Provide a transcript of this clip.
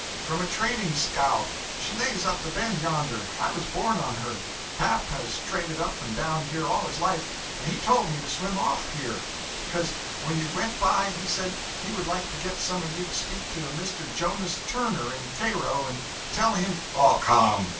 'From a trading scow. She lays up the bend yonder. I was born on her. Pap has traded up and down here all his life; and he told me to swim off here, because when you went by he said he would like to get some of you to speak to a Mr. Jonas Turner, in Cairo, and tell him ' 'Oh, come!'